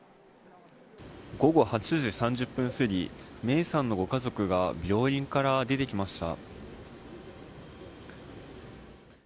午後８時３０分すぎ芽生さんのご家族が病院から出てきました。